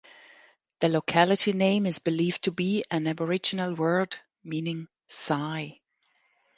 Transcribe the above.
The locality name is believed to be an Aboriginal word meaning ‘sigh’.